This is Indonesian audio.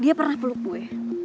dia pernah peluk gue